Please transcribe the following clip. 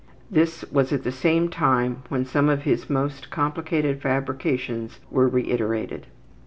This was at the same time when some of his most complicated fabrications were reiterated.